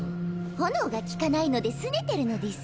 炎が効かないのでスネてるのです。